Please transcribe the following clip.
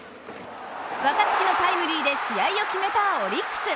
若月のタイムリーで試合を決めたオリックス。